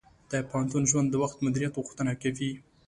د پوهنتون ژوند د وخت مدیریت غوښتنه کوي.